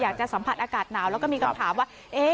อยากจะสัมผัสอากาศหนาวแล้วก็มีคำถามว่า